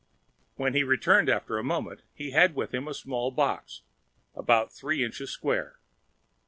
When he returned, after a moment, he had with him a small box, about three inches square.